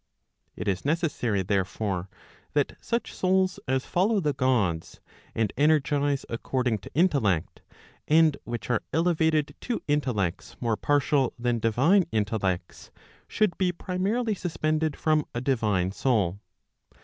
It is necessary, there¬ fore, that such souls as follow the Gods, and energize according to intellect, and which are elevated to intellects more partial than divine intellects, should be primarily suspended from a divine soul.